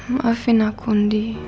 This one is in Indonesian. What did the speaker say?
maafin aku andi